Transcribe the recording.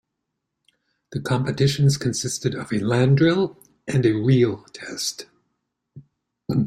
The competitions consisted of a land drill and 'reel test'.